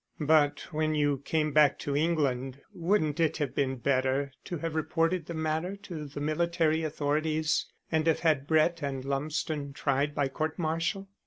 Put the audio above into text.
"But when you came back to England, wouldn't it have been better to have reported the matter to the military authorities and have had Brett and Lumsden tried by court martial?"